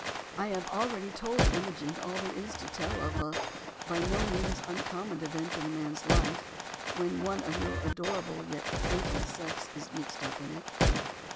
I have already told Imogen all there is to tell of a by no means uncommon event in a man's life, when one of your adorable, yet fatal sex is mixed up with it."